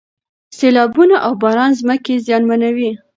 سیلابونه او باران ځمکې زیانمنوي.